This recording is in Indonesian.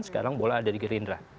sekarang bola ada di gerindra